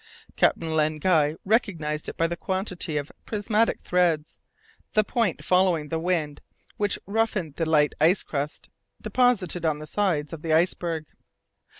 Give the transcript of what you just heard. Captain Len Guy recognized it by the quantity of prismatic threads, the point following the wind which roughened the light ice crust deposited on the sides of the iceberg.